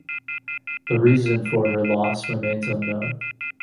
The reason for her loss remains unknown.